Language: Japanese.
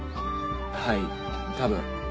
はい多分。